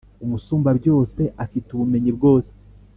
Umusumbabyose afite ubumenyi bwose,